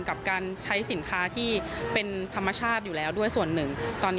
กับการใช้สินค้าที่เป็นธรรมชาติอยู่แล้วด้วยส่วนหนึ่งตอนนี้